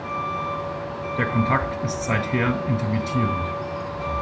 Der Kontakt ist seither intermittierend.